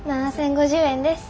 ７，０５０円です。